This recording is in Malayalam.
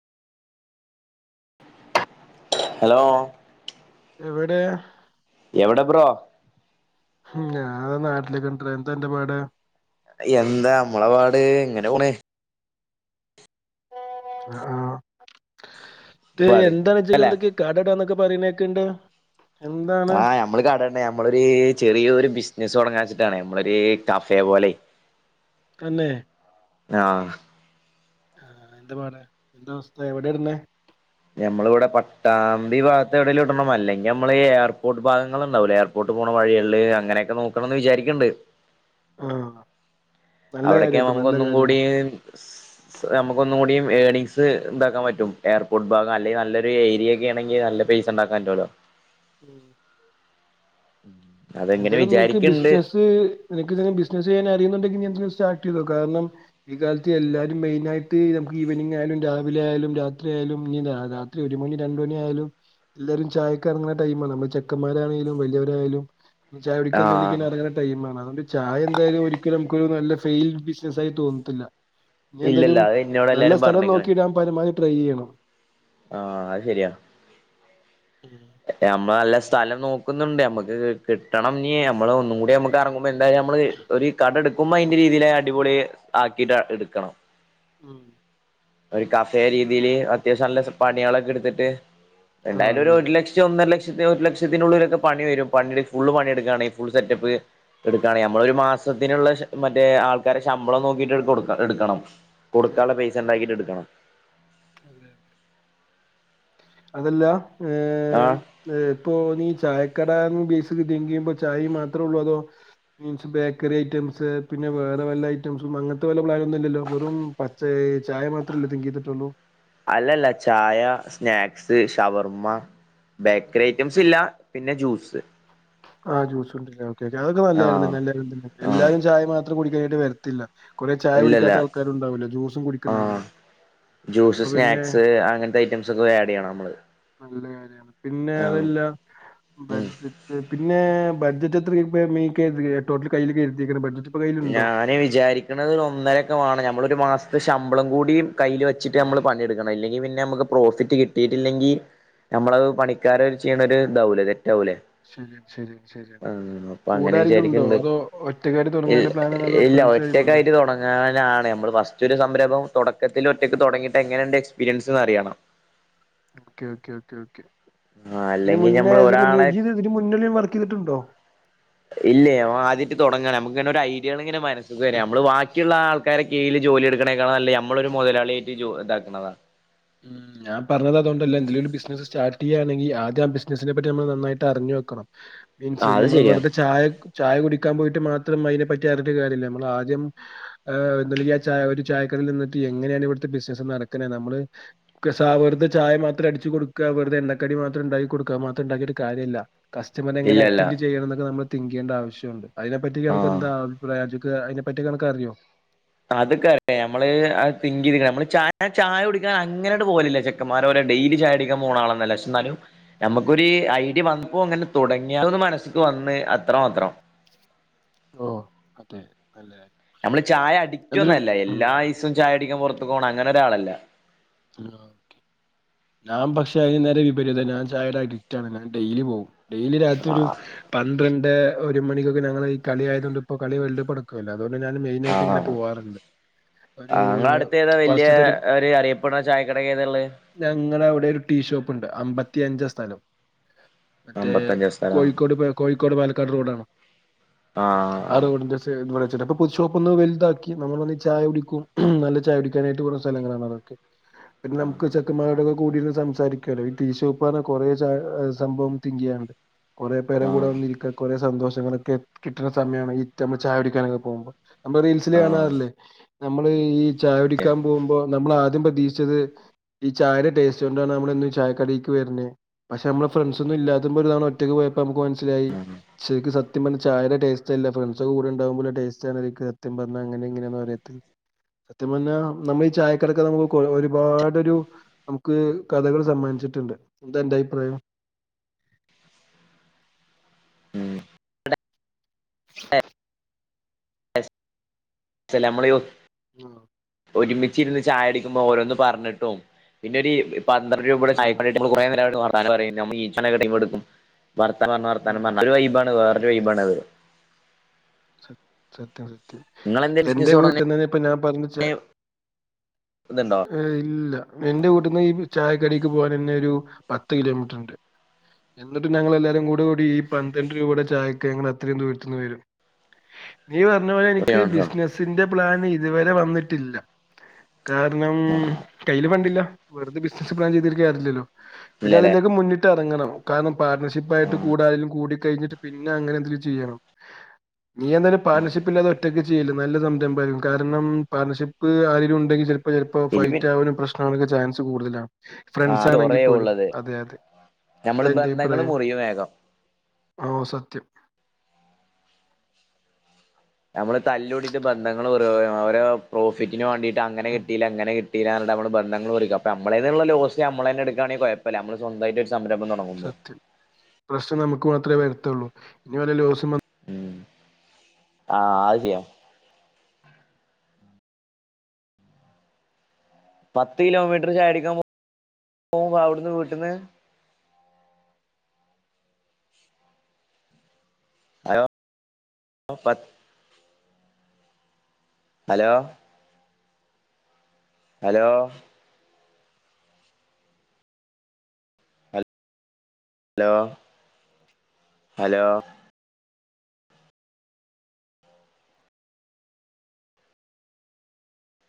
ഹലോ എവിടെ എവിടെ ബ്രോ ഉം ഞാ നാട്ടിലേകെണ്ടടാ ന്താ ന്റെ പാട് എന്താ നമ്മളെപാട് ങ്ങനെ പോണ് ആഹ് പാട് എന്തെഎന്താ പറ്റി അല്ലെ നക്ക് കടടാ എന്നൊക്കെ പറീന്നേക്ക്ണ്ട് ആഹ് നമ്മള് കടണ്ട് ഞമ്മളൊരു ചെറിയൊരു ബിസ് നസ് തൊടങ്ങാച്ചിട്ടാണ് നമ്മളൊരു കഫേ പോലൈ തന്നേ ആഹ് ആ എന്ത പാട് എന്ത അവസ്ഥ എവടെ ഇട്ണ് ഞമ്മള് ഇവടെ പട്ടാമ്പി ഭാഗത്തെവെടേലും ഇടണം അല്ലെങ്കി ഞമ്മളീ എയർപോർട്ട് ഭാഗങ്ങളുണ്ടാവൂലേ എയർപോർട്ട് പോണ വഴിയേള് അങ്ങനെയൊക്കെ നോക്കണന്ന്വിചാരിക്ക്ണ്ട് ആ അവിടെക്കെയാവുമ്പോ ഒന്നും കൂടീം സ് ഞമ്മക്ക് ഒന്നും കൂടീം ഏണിംഗ്സ് ണ്ടാക്കാൻ പറ്റും എയർപോർട്ട് ഭാഗം അല്ലെങ്കി നല്ലൊരു ഏരിയൊക്കെ ആണെങ്കിൽ നല്ല പൈസണ്ടാക്കാപറ്റോല്ലൊ ഉം അതെങ്ങനെ എന്തായാലും നിനക്ക് വിചാരിക്കണ്ട് ബിസിനസ്സ് നിനകിങ്ങനെ ബിസിനസ്സ് ചെയ്യാൻ അറിയുനുണ്ടെങ്കിൽ നീയത് സ്റ്റാർടീതോ കാരണം ഈ കാലത്ത് എല്ലാരും മെയിനായിട്ട് നമുക്ക് ഈവനിംങ്ങായാലും രാവിലെ ആയാലും രാത്രിയാലും ഇഞ്ഞി രാത്രി ഒരു മണിരണ്ട്മണിആയാലും എല്ലാരും ചായക്കറങ്ങ്ണ ടൈമാണ് നമ്മൾ ചെക്കന്മാരാണേലും വല്യോരായാലും ചായ കുടിക്കാൻ തോന്നി ആഹ് കഴിഞ്ഞാ അറങ്ങ്ണ ടൈമാണ് അതോണ്ട് ചായ എന്തായാലും ഒരിക്കലും നമുക്ക് നല്ല ഫെയിൽഡ് ബിസിനസ്സായി തോന്നത്തില്ല ഞ്ഞി ഇല്ലല്ല എന്തായാലും അത് എന്നോട് നല്ല എല്ലാരും സ്ഥലം പറഞ്ഞേക്കണ് നോക്കിയിടാൻ പരമാവതി ട്രൈ യ്യണം ആഹ് അയ് ശെരിയാ ഉം. നമ്മള് നല്ല സ്ഥലം നോക്കുന്നുണ്ട് നമ്മക്ക് കിട്ടണം ഞ്ഞി നമ്മള് ഒന്നും കൂടി ഐമ്മക്ക് അറങ്ങുമ്പോ എന്തായാലും നമ്മള് ഒരു കട ഇടുക്കുമ്പോ ഐന്റെ രീതിയിലെ അടിപൊളി ആക്കിട്ട് എടുക്കണം ഉം ഒരു കഫേ രീതീല് അത്യാവശ്യം നല്ല പണ്യേളൊക്കെ ഇട്ത്തിട്ട് ആ എന്തായാലും ഒരു അതെ അതെ ഒരുലക്ഷം ഒന്നര ലക്ഷം ഒരു ലക്ഷത്തിനുള്ളിലൊക്കെ പണി വരും പണി ഫുള്ള് പണി എടുകാണേൽ ഫുൾ സെറ്റപ്പ് എടുക്കണേ നമ്മളൊരു മാസത്തിനുള്ള ശ മറ്റേ ആൾക്കാരെ ശമ്പളം നോക്കീട്ട് കൊടുക്കണം എടുക്കണം കൊടുക്കാള്ള പൈസ ണ്ടാകീട്ട് എടുക്കണം അതെയതെ അതല്ലാ ഏ ആഹ് ഏഹ് പ്പോ നീ ചായ കടായി ബീഫ് ചായയും മാത്രോള്ളു അതോ ബേക്കറി ഐറ്റംസ് പിന്നെ വേറെ വല്ല ഐറ്റംസും അങ്ങനത്തെ വല്ല പ്ലാനും ന്നുംല്ലല്ലോ വെറും പ [unintelligible] അല്ലല്ല ചായ സ്നാക് സ് ഷവർമ്മ ബേക്കറി ഐറ്റംസ് ഇല്ല പിന്നെ ജ്യൂസ് ആ ജ്യൂസ്ണ്ടല്ലോ അതൊക്കെ നല്ലെന്നെ ആഹ് നല്ലൊരുതന്നെ ആഹ് എല്ലാരും ചായ മാത്ര കൂടികഴിഞ്ഞിട്ട് വരത്തില്ല കുറേ ചായ ഇല്ലല്ല കുടിക്കാത്ത ആൾക്കാരും ഉണ്ടാവൂല്ലെ ജ്യൂസും കുടിക്കുന്ന ആഹ് അങ്ങനെ ജ്യൂസ് അപ്പൊപിന്നെ സ്നാക്സ് അങ്ങനത്തെ ഐറ്റംസ് ഒക്കെ [unintelligible] നല്ല കാര്യആണ് പിന്നെ ആഹ് അതല്ല ഉം ബഡ്ജറ്റ് പിന്നെ ബഡ്ജറ്റ് എത്രക്ക് [unintelligible] ട്ടോട്ടൽ കയ്യിൽ കരിതീക്കണ് ബഡ്ജറ്റ് ഇപ്പൊ കയ്യിലുണ്ടോ ഞാന് വിചാരിക്കന്നത് ഒന്നരക്കെ വാണം ഞമ്മള് ഒരു മാസത്തെ ശമ്പളം കൂടി കയ്യില് വെച്ചിട്ട് നമ്മള് പണിയെടുക്കണം ഇല്ലെങ്കി പിന്നെ നമുക്ക് പ്രോഫിറ്റ് കിട്ടിയിട്ടില്ലെങ്കി ഞമ്മളത് പണിക്കാരെ വെച്ച് ചെയ്യണ ഒരു ദാവുലാലെ ശെരിയാണ് ശെരിയാണ് ശെരിയാണ് ആഹ് അപ്പൊ കൂടരിലുണ്ടോ അതോ ഒറ്റക്കായിട്ട് തൊട ഇല്ല ഇല്ല ഒറ്റക്കായിട്ട് തുടങ്ങാനാണ് ഞമ്മള് ഫസ്റ്റ് ഒരു സംരംഭം ക്കത്തിൽ ഒറ്റയ്ക്ക് തൊടങ്ങിട്ട് എങ്ങനെ ണ്ട് എക്സ്പീരിയൻസ് എന്ന് അറിയണം ഓക്കെ ഓക്കെ ഓക്കെ ആ ഇതിനു അല്ലെങ്കിൽ മുന്നേ നമ്മൾ ഏതിലെങ്കിലും നിന്നോ ഒരാളെ യ്യ് ഇത് ഇതിനു മുന്നേ എവിടേലും വർക്ക് ചെയ്തിട്ടുണ്ടോ ഇല്ലേ അവ ആദ്യാട്ട് തൊടങ്ങാണെ നമുക്ക്ങ്ങനെ ഒര ഐഡിയകള് ഇങ്ങനെ വര് സ് ശെരിയാ ഞമ്മള് വാക്കിയുള്ള ആൾക്കാരെ കീഴല് ജോലി എടുക്കണേക്കാള് നല്ലയ് ഞമ്മള് ഒരു മൊതലാളിയായിട്ട് ജോ ഇതാക്കുണതാ ഉം ഞാൻ പറഞ്ഞത്അത്കൊണ്ടല്ല എന്തെലും ഒരു ബിസിനസ് സ്റ്റാട്ട് ചെയ്യയാണെങ്കി ആദ്യ ആ ബിസിനസിനെ പറ്റി ഞമ്മള് നന്നായിട്ട് അറിഞ്ഞു വെക്കണം ആ മീൻസ് അത് നമ്മള് ശരിയാ വെറുതെ ചായക് ചായ കുടിക്കാൻ പോയിട്ട് മാത്രം അതിനെ പറ്റി അറിഞ്ഞിട്ട് കാര്യല്ല മ്മള് ആദ്യം എന്തല്ലങ്കി ആ ചായ ഒരു ചായക്കടയിൽ നിന്നിട്ട് എങ്ങനെയാണ് ഇവിടുത്തെ ബിസിനസ്സ് നടക്ക്ണെ നമ്മള് ക്കസ വെറുതെ ചായ മാത്രം അടിച്ചു കൊടുക്ക വെറുതെ എണ്ണക്കടി മാത്രം ണ്ടാക്കി കൊടുക്കുക മാത്രം ഉണ്ടാക്കിട്ട് കാര്യമല്ല കസ്റ്റമറിനെ എങ്ങനെ ഇല്ലല്ല അറ്റന്റ് ചെയ്യണം എന്നക്കെ നമ്മൾ തിങ്ക്യ്യണ്ട ആവശ്യം റ്റുണ്ട് അയിനെപ്പറ്റി ആ അനക്ക് എന്താ അഭിപ്രായം അജുൻ അയിനെ പറ്റിക്കെ അനക്കാറിയോ അത്ക്കെ അ ഞമ്മള് അത് തിങ്ക് ചെയ്ത്ക്ക്ണെ നമ്മള് ചായ ചായ കുടിക്കാൻ അങ്ങനെട്ട് പോലില്ല ചെക്കന്മാരോരെ ഡെയിലി ചായ അടിക്കാൻ പോണ ആളോന്നുല്ല പക്ഷേ എന്നാലും ഞമക്കൊര് ഐഡിയ വന്നപ്പോ അങ്ങനെ തുടങ്ങിയാലോന്ന് മനസ്സിക്ക് വന്ന് അത്ര മാത്രം ഓ അതെ നല്ല കാര്യം ഞമ്മള് ചായ അടിക്റ്റ് എന്തായാലും ഒന്നുല്ല ഉം എല്ലാ യിസോം ചായ ടിക്കാൻ പുറത്തക്കു പോണം അങ്ങനെ ഒരാളല്ല ഞാൻ പക്ഷേ അതിന് നേരെ വിപരീതം ഞാൻ ചായടെ അഡിക്റ്റാണ് ഞാൻ ഡെയിലി പോകും ഡെയിലി രാത്രി ഒരു ആഹ് പന്ത്രണ്ട് ണ്ട് ഒരു മണിക്കൊക്കെ ഞങ്ങള് ഈ കളി ആയതുകൊണ്ട് ഇപ്പോ കളി വേൾഡ് കപ്പ്‌ നടക്കല്ലേ പ്പം അതുകൊണ്ട് ഞാൻ മെയിനായിട്ട് ഇങ്ങനെ ആഹ് പോകാറ്ണ്ട് ഒരു ആഹ് ഇങ്ങളെ അടുത്ത് ഏതാ വല്യ ഫസ്റ്റ്ത്തെ ഒരു അറിയപ്പെടുന്ന ചായക്കട ഏതാ ഇള്ളെ ഞങ്ങടെ അവിടെ ഒരു ടീഷോപ്പ്ണ്ട് അമ്പ ത്തിയഞ്ച സ്ഥലം മറ്റേ അമ്പത്തഞ്ചാം സ്ഥലം കോഴിക്കോട് കോഴിക്കോട് പാലക്കാട് റോഡാണോ ആഹ് ആ റോഡിന്റെ സയ്ടുടെവച്ച് ഇവിടെപ്പേ പുതുഷോപ്പ് ഒന്ന് വല്താക്കി നമ്മൾ വന്ന് ചായ കുടിക്കും നല്ല ചായ കുടിക്കാനായിട്ട് പോണ സ്ഥലങ്ങളാണ് അതൊക്കെ പിന്നെ നമുക്ക് ചെക്കമാരുടെക്കെ കൂടി ഇരുന്ന് സംസാരിക്കല്ലോ ഈ ടീഷോപ്പ് പറഞ്ഞ കുറേ സംഭവം തിങ്കെയ്യാനുണ്ട് കൊറെ പേരെ കൂടെ ആഹ് ഒന്നിരിക്ക കൊറ സ് സന്തോഷങ്ങളൊക്കെ കിട്ടുന്ന സമയമാണെങ്കി നമ്മൾ ചായകുടിക്കാനൊക്കെ പോകുമ്പോൾ നമ്മ റീൽസില് ആഹ് കാണാറില്ലേ നമ്മള് ഈ ചായ കുടിക്കാൻ പോകുമ്പോ നമ്മളാദ്യം പ തീക്ഷിച്ചത് ഈ ചായയുടെ ടേസ്റ്റ് കൊണ്ടാണ് നമ്മളെന്നും ഈ ചായ കടയ്ക്ക് വരണെ പക്ഷെ നമ്മളെ ഫ്രണ്ട്സ് ഒന്നും ഇല്ലാതെ ഒരു തവണ ഒറ്റക്ക് പോയപ്പോ നമുക്ക് മന മനസിലായി ശരിക്കും സത്യം പറഞ്ഞ ചായയുടെ ടേസ്റ്റ്ല്ല ഫ്രണ്ട്സൊക്കെ കൂടെ ഉണ്ടാകുമ്പോള്ള ടേസ്റ്റാണ് അതിക്ക് സത്യം പറഞ്ഞാൽ അങ്ങന ഇങ്ങനെയാ പറയും സത്യം പറഞ്ഞാൽ നമ്മൾ ഈ ചായ കടയ്ക്ക് നമുക്ക് ഒരുപാടൊരു നമുക്ക് കഥകൾ സമ്മാനിച്ചിട്ടുണ്ട് എന്താ അന്റെ അഭിപ്രായം [unintelligible] [unintelligible] ചില നമ്മളെ യു ആ ഒരുമിച്ചിരുന്ന് ചായകുടിക്കുമ്പോൾ ഓരോന്ന് പറഞ്ഞിട്ടും പിന്നൊരി പന്ത്രണ്ടു രൂപയുടെ ആഹ് ചായക്കടി കിട്ടിയ നമ്മള് കുറേ നേരം ഇരുന്ന് വർത്താനം പറയും നമ്മൾ ഈ [unintelligible] എ ടുക്കും വർത്താനം പറഞ്ഞ് ഉം വർത്താനം പറഞ്ഞ് അതൊരു വൈബാണ് വേറൊരു വൈബാണ് അത് സത് സത്യാണ് നിങ്ങളെന്തേ എന്റെ ബിസിനസ് തുടങ്ങണേ വീട്ടിന്നന്നെ ഇപ്പ ഞാൻ പറഞ്ഞുച്ച ഇതുണ്ടോ ഏയ് ഇല്ല എന്റെ വീട്ടിൽന്ന് ഈ ചായക്കടക്ക് പോകൻ തന്നൊരു പത്ത് കിലോമീറ്ററുണ്ട് എന്നിട്ടും ഞങ്ങൾ എല്ലാവാരും കൂടെ കൂടി ഈ പന്ത്രണ്ട് രൂപയുടെ ചായക്ക് ഞങ്ങൾ അത്രയും ദൂരത്തുന്ന് വരും നീ പറഞ്ഞ പോലെ എനിക്ക് ബിസിനസ്സിന്റെ പ്ലാന് ഇതുവരെ വന്നിട്ടില്ല കാരണം കയ്യില് ഫണ്ടില്ല വെറുതെ ബിസിനസ് പ്ലാൻ ചെയ്തിട്ട് കാര്യല്ലല്ലോ പിന്നെ ഇല്ലല്ലേ അതിലേക്ക് മുന്നിട്ട് ഇറങ്ങണം കാരണം പാട്നർഷിപ്പ് ആയിട്ട് ആഹ് കൂടെആരേലും കൂടി കഴിഞ്ഞിട്ട് പിന്നെ അങ്ങനെ എന്തെങ്കിലും ചെയ്യണം നീ എന്തായാലും പാർട്ണർഷിപ്പ് ഇല്ലാതെ ഒറ്റയ്ക്ക് ചെയ്യല്ലെ നല്ല സംരംഭം ആയിരിക്കും കാരണം പാട്ണർഷിപ്പ് ആരേലുണ്ടെങ്കിൽ ചി ചിലപ്പോ ഫിലിമിൻ ഫൈറ്റ് ആവാനും പ്രശ്നം [unintelligible] ചാൻസ് കൂടുതലാ ആ റംസാൻ കൊറേ ആങ്കിൽ പോലും ഉള്ളത് അതെ അതെ നമ്മള് എന്താ അന്റെ ബന്ധങ്ങള് അഭിപ്രായം മുറിയും വേഗം ഓ സ ത്യം നമ്മള് തല്ലൂടിയിട്ട് ബന്ധങ്ങൾ ഓരോ പ്രോഫിറ്റിന് വേണ്ടിട്ട് അങ്ങനെ ഉം കിട്ടീല ഇങ്ങനെ [unintelligible] നമ്മളെ ബന്ധങ്ങൾ മുറിക്കും അപ്പ നമ്മളേന്നുള്ള ലോസ് നമ്മള് തന്നെ എടുക്കയാണെങ്കി കുഴപ്പില്ല നമ്മള് സ്വമായിട്ട് സംരംഭം തുടങ്ങുമ്പോ സത്യം പ്രശ്നം നമുക്ക് മാത്രേ വരത്തുള്ളൂ ഇനി വല്ല ലൂസും ഉ ആഹ ആദ്യം പത്ത് കിലോമീറ്റർ ചാടിക്കാൻ പോകുമ്പോ അവിടുന്ന് വീട്ടന്ന് അ പ ഹലോ ഹലോ ഹലോ ഹലോ